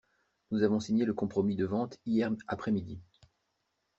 Nous avons signé le compromis de vente hier après-midi.